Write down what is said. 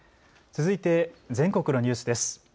続いて全国のニュースです。